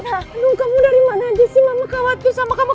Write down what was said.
aduh kamu dari mana aja sih mama khawatir sama kamu